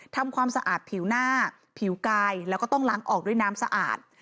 ทำความสะอาดผิวหน้าผิวกายแล้วก็ต้องล้างออกด้วยน้ำสะอาด